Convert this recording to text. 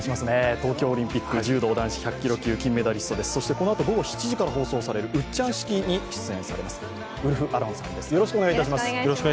東京オリンピック柔道男子１００キロ級金メダリストです、そしてこのあと午後７時から放送される「ウッチャン式」に出演されますウルフ・アロンさんです。